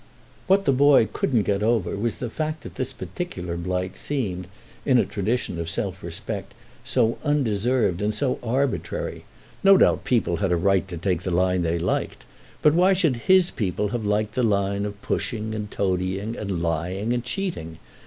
What the boy couldn't get over was the fact that this particular blight seemed, in a tradition of self respect, so undeserved and so arbitrary. No doubt people had a right to take the line they liked; but why should his people have liked the line of pushing and toadying and lying and cheating?